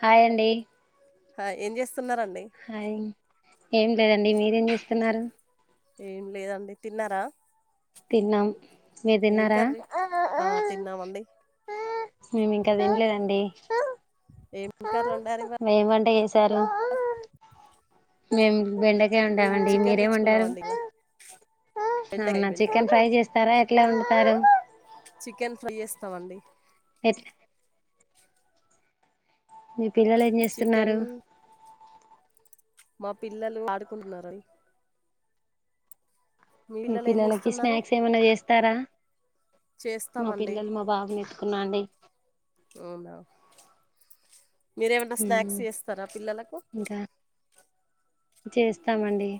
Hi అండి hi ఎమ్ చేస్ హాయ్ ఏం లేదండి మీరేం చేస్తున్నారు ఏం లేదండి తిన్నారా తిన్నాం మీరు ఏం తిన్నారా కర్రీ ఆ తిన్నామండి మేము ఇంకా తినలేదండి ఏం కర్రీ వండారు ఇవాళ ఎమ్ వంట చేసారు మేం బెండకాయ మేము వండమండి. చికెన్ మీరేమిండారు తెచ్చుకున్నామండి ఇలా బెండకాయ అవునా బెండకాయ చికెన్ ఫ్రై చేస్తారా. ఎట్లా వండుతారు చికెన్ ఫ్రై చేస్తామండి ఎత్ మీ పిల్లలు ఏం చికెన్ చేస్తున్నారు. మా పిల్లలు ఆడుకుంటున్నారని మీ పిల్లలకి చేస్తున్నారు స్నాక్స్ ఏమైనా చేస్తారా మా చేస్తామండి పిల్లలు మా బాబుని ఎత్తుకున్నాండి అవునా మిరేమన్న స్నాక్స్ చేస్తారా పిల్లలకు ఇంకా చేస్తామండి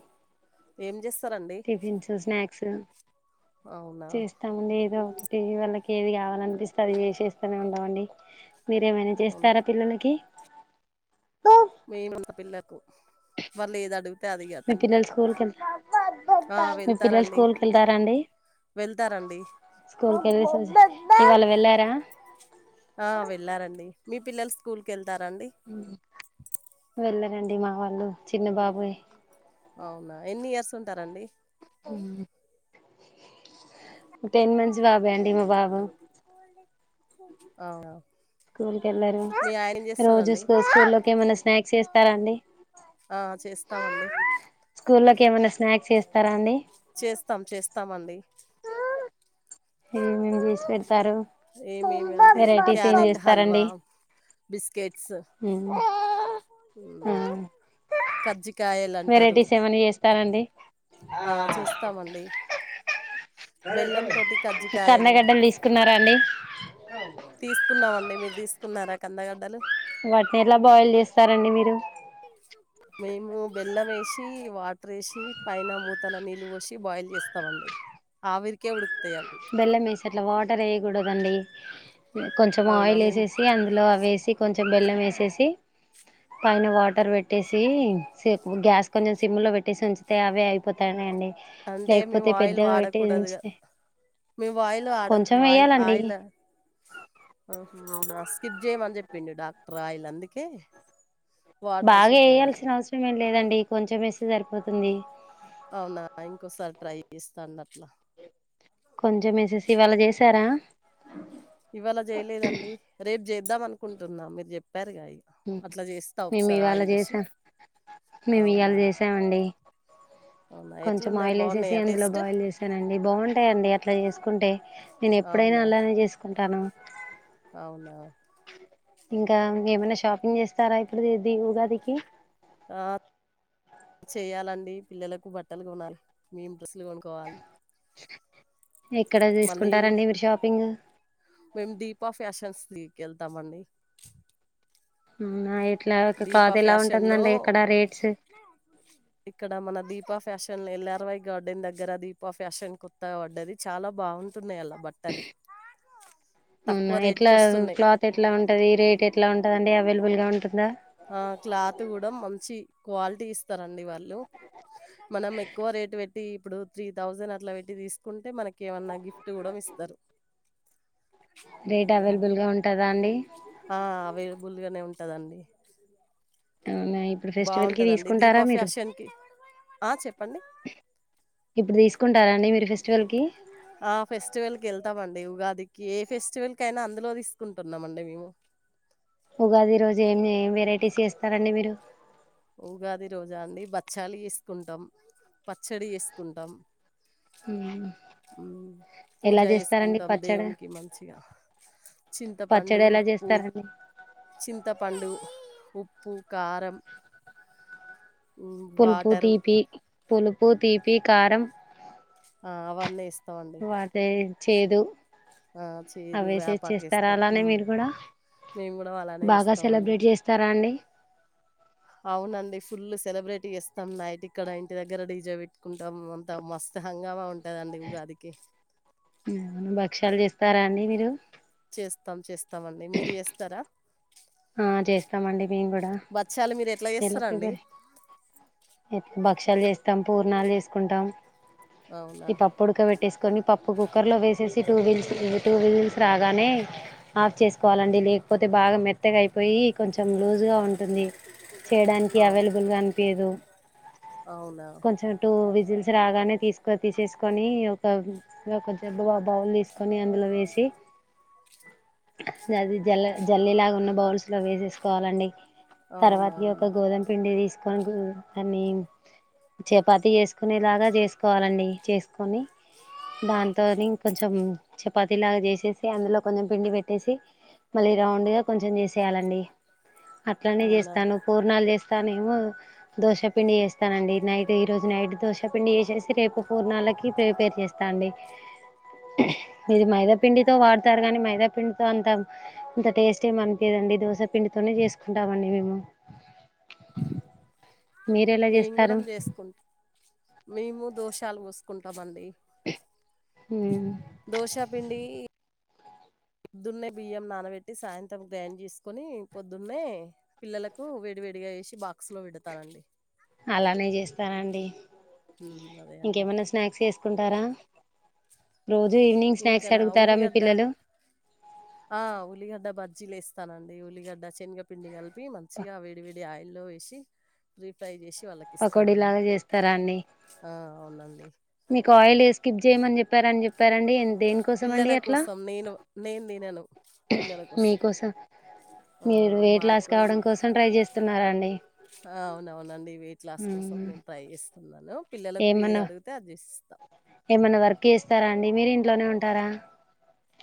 ఏం జెస్ టిఫిన్స్ స్నాక్స్ అవునా చేస్తాము ఏదో ఒ టీవీ వాళ్ళకి ఏది కావాలనిపిస్తే అది చేస్తానే ఉంటామండీ మీరేమైనా అవునా చేస్తారా పిల్లలకి మేము పిల్లకు వాళ్ళు ఏది అడు మీ పిల్లలు స్కూల్ కే ఆ మీ పిల్లలు వెళ్తారండి స్కూల్ కి వెళ్తారండి వెళ్తారండి స్కూల్ క వెలేసి ఇవాళ వెళ్ళారా ఆ వెళ్ళారండి మీ పిల్లల్ స్కూల్ కె వెళ్ళరండి మా వాళ్ళు చిన్న బాబే అవునా ఎన్ని ఇయర్స్ ఉంటారండి టెన్ మంత్స్ బాబే అండి మా బాబు అవున స్కూల్ ఎళ్లరు రోజు చేస్తాడండి? స్కూ స్కూల్ లోకి ఏమన్నా స్నాక్స్ చేస్తారా అండి ఆ చేస్తామండి ఏమైన్నా స్నాక్స్ చేస్తారా అండి చేస్తాం చేస్తాం అండి ఏమేం చేసి పెడతారు ఏమేమి అంటే వెరైటీస్ ఏం క్యారెట్ హల్వా, చేస్తారండి బిస్కెట్స్ మ్ కజ్జికాయలు అంటారు తారండి ఆ చేస్తామండి బెల్లంతోటి కజ్జికాయలు కందగడ్డలు తీసుకున్నారా అండి తీసుకున్నామండి మీరు తీసుకున్నారా కందగడ్డలు వాటిని ఎలా బాయిల్ చేస్తారండి మీరు మేము బెల్లం వేషి వాటర్ వేషి పైన మూతల నీళ్ళు పోసి బాయిల్ చేస్తామండి ఆవిరికే ఉడు బెల్లం ఎసి అట్లా వాటర్ వేయకూడదండి కొంచెం అవునా ఆయిల్ మేము ఎసేసి అందులో అ వేసి కొంచెం బెల్లం ఎసేసి పైన వాటర్ పెట్టేసి సే గ్యాస్ కొంచెం సిమ్ లో పెట్టేసి ఉంచితే అవే అయిపోతానా అండి అంటే లేకపోతే పెద్దగ పెట్టీ ఉంచితే మేం వాయిల్ అడం కొంచెం వాయిల్ వేయాలండి అయల్ నూనే రాస్ స్కిప్ చేయమని చెప్పిండు డాక్టర ఆయిల్ అందుకే వాటర్ వేసి బాగా ఉడకబెడతాం ఎయాల్సిన అవసరం ఏం లేదండి కొంచెం వేస్తే సరిపోతుంది అవునా ఇంకోసారి ట్రై చేస్తాండి అట్లా కొంచెం ఎసెసి ఇవాళ చేసారా ఇవాళ చేయలేదండి రేపు చేద్దాం అనుకుంటున్నా మీరు చెప్ మేము ఇవాళ ఆయిల్ వేసి చేసాం, మేము ఇవాళ అవునా చేసామండి అవునా కొంచం ఎట్లున్నాయి ఆయిల్ ఎసేసి బాగున్నాయా అందులో టేస్ట్ బాయిల్ చేసానండి బాగుంటాయండి అట్లా చేసుకుంటే నేను ఎప్పుడైనా అలనే జేసుకుంటానా ఔన్ ఇంకా ఏమైనా షాపింగ్ చేస్తారా ఇప్పుడీది ఉగాదికి ఆ చేయ్యాలండి పిల్లలకు బట్టలు కొనాలి నీన్ డ్రస్సులు కొనుక్కోవాలి ఎక్కడ మళ్ళీ తీసుకుంటారండి మీరు షాపింగ్ వెళ్తమండి ఉమ్ నా ఎ క్లాత్ క్లాత్ ఎలా ఫ్యాషన్ లో ఉంటుందండి అక్కడ రేట్స్ ఇక్కడ మన దీపా ఫ్యాషన్ ఎల్లర్వై గార్డెన్ దెగ్గర దీపా ఫ్యాషన్ కోత్తాగ వడ్డది చాలా బాగున్ బట్టలు అవునా తక్కువ రేటుకి ఎట్లా వస్తున్నాయి క్లాత్ ఎట్లా ఉంటది రేట్ ఎట్లా ఉంటది అండి అవైలబుల్ గా ఉన్ ఆహ్ క్లాత్ గూడా మంచి క్వాలిటీగిస్తారండి వాళ్ళు మనం ఎక్కువ రేటు వెట్టి ఇప్పుడు త్రీ థౌజండ్ అట్లా వెట్టి తీసుకుంటే మనక్ ఏమన్నా గిఫ్ట్ గుడ మిస్తారు రేట్ అవైలబుల్ గా ఉంటదా అండి ఆ అవైలబుల్ గనే ఉంటదండి అవునా ఇప్పుడు ఫెస్టివల్ కి బాగుంటదండి తీసుకుంటారా దీపా మీరు ఫ్యాషన్ కి ఆ చెప్పండి ఇప్పుడు తీసుకుంటారా అండి మీరు ఫేస్ ఆ ఫెస్టివల్ కి ఏళ్తామండి ఉగా దికి ఏ ఫెస్టివల్కైనా అందులో తిస్కుంటున్నామండి మేము ఉగాది రోజు ఎమ్ ఏం వెరైటీస్ జేస్తారండి మీరు ఉగాది రోజా అండి బచ్చలు ఎసుకుంటాం పచ్చడి ఎసుకుంటాం ఉమ్ పూజ ఎస్కుంటాం దేవునికి మంచిగా చింతపండు, పచ్చడీ ఎలా ఉప్పు జేస్తారండి చింతపండు, ఉప్పు, కారం హ్మ్, పులుపు, వాటరు తీపీ, పులుపు, తీపీ, కారం ఆ అవ్వినీ ఎస్ ఉ అంటే చేదు ఆ చేదు అవేసేసి వేపాకు చేస్తారా వేస్తాం అలానే మీరు కూడా బాగా సెలబ్రేట్ జేస్తారా అండి అవునండి ఫుల్ సెలబ్రేట్ జేస్తాం నైట్ ఇక్కడ ఇంటి దగ్గర డీజే వేట్టుకుంటాం అంతా మస్త్ త హంగామా ఉన్ భక్షలూ జేస్తరా అండి మీరు చేస్తాం చేస్తామండి మీరు జేస్తారా ఆహ్ చేస్తామండి మేం కూడ ఎట్లా జెస్తారండి భక్ష్యాలు చేస్తాం పూర్ణాలు చేసుకుంటాం అవునా! ఈ పప్పు ఉడుకవెట్టేసే కొని పప్పు కుక్కర్ లో వేసేసి టూ వీల్స్ టూ విజిల్స్ రాగానే ఆఫ్ చేసుకోవాలండి లేకపోతే బాగా మెత్తగా అయిపోయి కొంచెం లూజ్గా ఉంటుంది చేయడానికి అవును. అవైలబుల్ గా అనిపింయదు అవునా! కొంచం టూ విజ్ జిల్స్ రాగానే తీసుకో తీసేస్కొని ఒక్క బౌల్ తీసుకొని కొన్ని అందులో వేసి అది జల్ జల్లే లాగా ఉన్న బౌల్స్ లో వేసేసుకోవాలండి అవునా తర్వాతకి అండి ఒక గోధుమ పిండి తీసుకొని అని చపాతి జేసుకునేలాగా జేస్కోవాలండి చేస్కొని దాంతోని కొంచం చపాతీ లాగా జేసేసి అందులో కొంచెం పిండి పెట్టేసి మళ్ళీ రౌండ్ గా కొంచెం జేసేయాలండి అట్లనే అవునా! జేస్తాను పూర్నాలు చేస్తానేమో దోశపిండి చేస్తానండి నైట్ ఈ రోజు నైట్ దోశపిండి చేసేసి రేపు పూర్నలకి ప్రిపేర్ చేస్తాండి ఇది మైదాపిండితో వాడతారు గని మైదాపిండితో అంత ఇంత టేస్టేమని మేం దోశ పండితోనే చేసుకుంటామండి మేము మీరు ఎలా మేము గూడా చేస్తారు చేసుకుం మేము దోషాలు వోస్కుంటామండి ఉమ్ దోశాపిండి పొద్దున్నే బియ్యం నానబెట్టి సాయంత్రం గ్రైండ్చేసుకొని పొద్దున్నే పిల్లలకు వేడివే డిగా వేసి బాక్స్ లో పెడతానండి అలానే చేస్తానండి హ్మ్. అదే అండి. ఇంకేమన్నా స్నాక్స్ వేసుకుంట టరా ఇంకనా ఉల్లిగడ్డ ఆ ఉల్లిగడ్డ బ జీలేస్తానండి ఉల్లిగడ్డ శన్గపిండి కలిపి మంచిగా వేడి వేడి ఆయి లో వేసి డీప్ ఫ్రై చేసి పకోడి వాళ్ళకిస్తానండి. లాగా చేస్తారాండి ఆ! అవునండి. మీకు ఆయిల్ వేసుకి చేయమని చెప్పారని చెప్పరండి ఎం దేనికోసమండి పిల్లల అట్లా కోసం నేను నేను తినను. పిల్లల కోసం. మీకోసం ఆ! మీరు వెట్ లాస్ మాకు ఈ కావడం కోసం ట్రై చేస్తున్నారండి ఆ! అవునవునండి. వెయిట్ లాస్ కోసం నేను ట్రై చేస్తున్నాను పిల్లలకు ఏది ఏమన్నా అడిగితే అది చేసిస్తా. ఏమన్నా వర్క్ చేస్తారండి మీరు ఇంట్లోనే ఉంటారా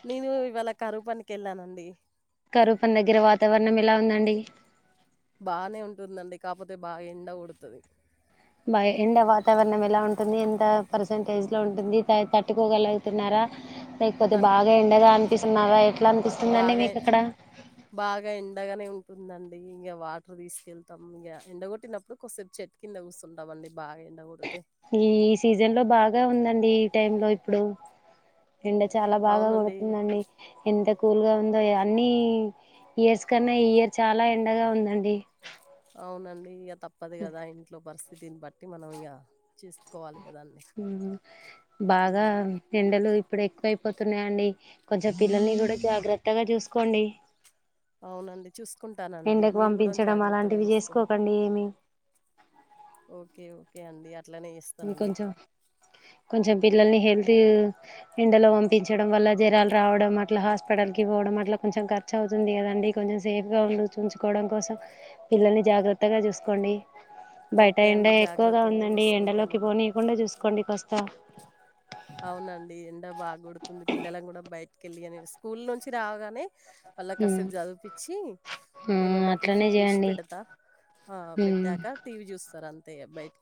నేను ఇవాళ్ళ కరూపనికేళ్ళానండి కరూపని దగ్గర వాతావరణం ఎలా ఉందండి బానే ఉంటుందండి కాపోతే బాగేండ కొడ్తది బ ఎండ వాతావరణం ఎలా ఉంటుంది ఎంత పర్సంటేజ్లో ఉంటుంది త తట్టుకోగలుగుతున్నారా లేకపోతే తట్ బాగా ఎండగా అన్పిస్తున్నారా బాగా బాగా ఎండగానే ఉం ఉందండి ఇంగ వాటర్ తీసుకెళ్తాం ఇగ ఎండగొట్టినప్పుడు కొద్దిసేపు చెట్టు కింద కూస్తుంటాంమండి బాగా ఎండా కోడితే ఈ సీజన్ లో బాగా ఉందండి ఈ టైం లో ఇప్పుడు ఎండ చాలా బాగా అవునండి. కోడ్తుందండి ఎంత కూల్గా ఉందో అన్ని ఇయర్స్ కన్నా ఈ ఇయర్ చాలా ఎండగా ఉందండి అవునండి ఇగ తప్పదు కదా ఇంట్లో పరిస్థితిని బట్టి మనం ఇగ చేస్కోవాలి ఉహ్మ్ బాగా ఎండలు ఇప్పుడు ఎక్కువై పోతున్నాయండి కొంచెం పిల్లల్ని గూడా జాగ్రత్తగా చూసుకోండి అవునండి చూసుకుంటానండి ఎండకు మీరు గూడా పంపించడం జాగ్రత్తగా అలాంటివి చూసుకోండి చేసుకోకండి ఏమి ఓకే ఓకే అండి అట్లనే చేస్తానండి. ఇంకొంచెం కొంచెం పిల్లల్ని హెల్తు ఎండలో పంపించడం వల్ల జరాలు రావడం అట్లా హాస్పిటల్కి పోవడం అట్లా కొంచెం ఖర్చువుతుంది గదండి కొంచెం సేఫ్గా ఉండు చూంచుకోవడం కోసం పిల్లల్ని జాగ్రత్తగా చూసుకోండి బయట ఓకే ఎండ అండి. ఎక్కువగా జాగ్రత్తగానే ఉందండి ఎండలోకి చూసుకుంటానండి. పోనీయ్కుండా చూసుకోండి కాస్తా అవునండి ఎండా బాగోడ్తుంది పిల్లల కూడా బయటికెళ్ళిని స్కూల్ నుంచి రాగానే మళ్ళ ఉమ్ కసెపు చదిపిచ్చి ఉమ్ ఏమన్నా అట్లనే టిఫిన్ చేసి చేయండి పెడతా ఆ ఉమ్ పెట్టాక టీవీ చూస్తారు అంతే ఇగ బయట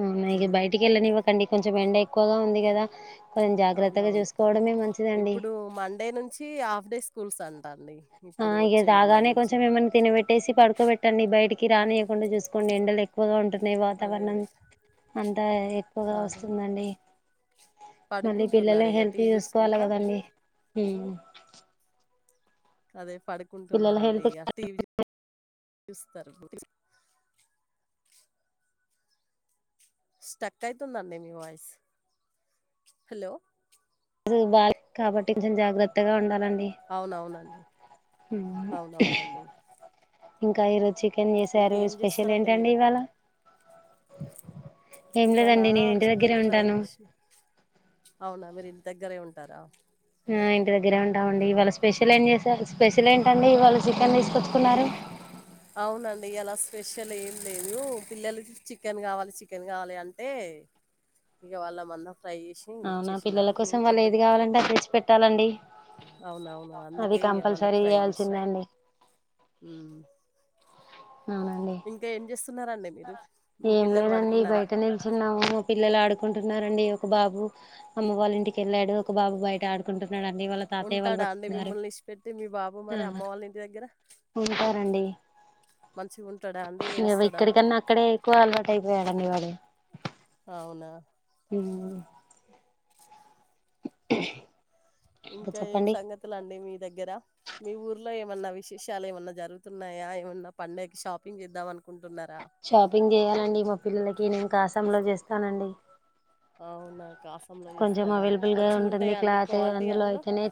ఆ బయటికేళ్ళనివ్వకండి కొంచెం ఎండ ఎక్కువగా ఉంది కదా కొంచెం జాగ్రత్తగా అవునవును చూసుకోవడమే మంచిదండి ఇప్పుడు మండే నుంచి హాఫ్ డే స్కూల్స్ అంటాండి ఆ ఇగ రాగానే కొంచెం ఏమని తినబెట్టేసి పడుకోబెట్టండి బయటి కి రానియకుండా చూకోండి ఎండలు ఎక్కువగా ఉంట అదే. వాతావరణం అదే. అంతా ఎక్కువ్గా అదే. వస్తుందండి మళ్ళీ పిల్లల పడుకుంటున్నారు ఇగ హెల్త్ టీవీ చూసుకోవాలి జూసుకుంటా. కదండి అదే పిల్లల పడుకుంటున్నారండి హెల్త్ ఇగ టీవీ చూస్తారు స్టకైతుందండి మీ వాయిస్ రోజుల్ బాలే కాబట్టి కొంచెం జాగ్రత్తగా ఉండాలం డి అవునవునండి. హుమ్ అవునవునండి. ఇంకా ఈరోజు చికెన్ చేసారు ఇంకేం స్పెషల్ జేస్తారండి ఏంటండి మీరు? ఇవాళ ఏం ఇవాళ లేదండి నేను ఇంటి దగ్గరే చికెన్ ఫ్రై ఉంటాను చేసి అవునా మరి దగ్గరే ఉంటారా ఆ ఇంటి దగ్గరే ఉంటామండి ఇవాళ స్పెషల్ ఏం చేసారు స్పెషల్ ఏంటండి ఇవాళ చికెన్ తీసుకొచ్చుకున్నారు అవునండి ఇయాల స్పెషల్ ఏం లేదు పిల్లలకి చికెన్ కావాలి చికెన్ కావాలి అంటే ఇక వాళ్ళ మందం ఫ్రై జేసి అవునా ఇచ్చేసిన. పిల్లల కోసం మేము వాళ్ళు పొద్దున ఏది కావాలంటే అది తెచ్చి పెట్టాలండి అవునవును అది అందుకే ఇగ వాళ్ళకు కంపల్సరీ ఫ్రై చేయాల్సిందే చేసినా అండి ఉ అవునండి ఇంకా ఏం చేస్తున్నారండి ఏం లేదండి బయట నిలిచున్నాము మా పిల్లలు ఆడుకుంటు న్నారండి ఒక బాబు అమ్మ వాళ్ళ ఇంటికి వెళ్ళాడు ఒక బాబు బయట ఆడుకుంటు ఉంటాడా అండి మిమ్మల్ని ఇసిపెట్టి మీ బాబు ఆ మరి అమ్మ వాళ్ళ ఇంటి దగ్గర ఉంటారండి మంచిగా ఉంటాడా అండి ఇగ ఏడుస్తడ్ ఇక్కడికన్నా అక్కడే ఎక్కువ అలవాటు అయిపోయాడండివాడు అవునా! మ్ [unintelligible] ఇంకా ఏం చెప్పండి సంగతులండి మీ దగ్గర మీ ఊర్లో ఏం ఏమన్నా విశేషాలు ఏమన్నా జరుగుతున్నాయా ఏమన్నా పండగకి షాపింగ్ చేద్దాం అను షాపింగ్ చేయాలండి మా పిల్లలకి నేను కాసాంలో చేస్తానండి అవునా కాసంలో కొంచెం చేస్తారా అవైలబుల్ గా మంచిగా ఉంటుంది ఉంటాయా అండి క్లాత్ క్వాలిటీ అందులో అయితేనే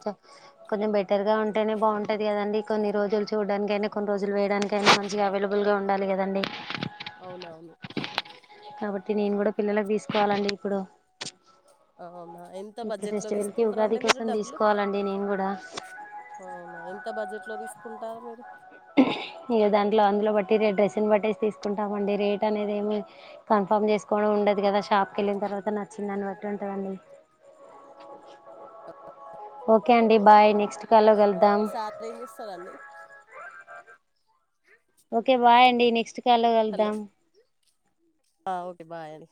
కొంచెం బెటర్ గా ఉం టేనే బాగుంటది కదండి కొన్ని రోజులు చూడడానినికికైనా కొన్ని రోజులు వేయడానికైనా మంచిగా అవైలబుల్గా ఉండాలి కదండి అవునవును కాబట్టి నేను కూడా పిల్లలలకు తీసుకోవాలండి ఇప్పుడు అవునా ఎంత ఇప్పుడు బడ్జెట్ లో ఫెస్టివల్ కి ఉగాది తీసుకుంటారండి మీరు కోసం తీసుకోవాలండి నేను కూడా ఓ మా ఎంత బడ్జెట్ లో తీసుకుంటారు మీరు హంకుహు ఇక దాంట్లో అందులో బట్టి డ్రెస్ని బట్టటేసి తీసుకుంటాండి రేట్ అనేది ఏమి కన్ఫామ్ చేసుకోమ్ ఉండదు కదా షాప్ కి వెళ్ళిన తర్వాత నచ్చిందాన్ని బట్టి ఉంటదండి ఓకే అండి బాయ్ నెక్స్ట్ కాల్లో కలుద్దాం మీ సార్ ఏం చేస్తారండి ఓకే బాయ్ అండి నెక్స్ట్ కాల్లో కలుద్దాం ఆ ఒకే బాయ్ అండి